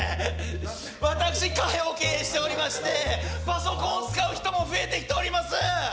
私、買い置きしてましてパソコンを使う人も増えております。